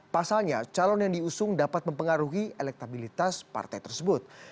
pasalnya calon yang diusung dapat mempengaruhi elektabilitas partai tersebut